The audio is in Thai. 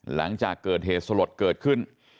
หลังจากเกิดเหตุสลดเกิดขึ้น